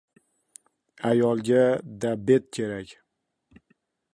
«Ayolga-da bet kerak».